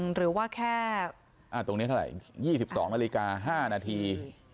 หรือว่าแค่๒๒นาฬิกา๕นาที